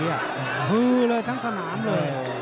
อเจมส์หืข้างสนามเลย